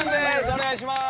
お願いします。